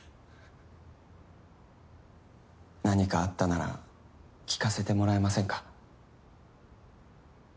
何かあったなら聞かせてもらえませんか？